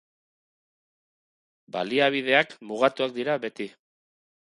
Baliabideak mugatuak dira beti.